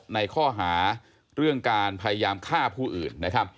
ในข้อหาเรื่องการพยายามฆ่าผู้อื่นนะครับ